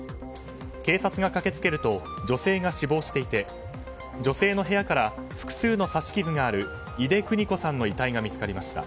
警察が駆けつけると女性が死亡していて女性の部屋から複数の刺し傷がある井出久仁子さんの遺体が見つかりました。